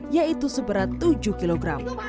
yaitu seberat tujuh kg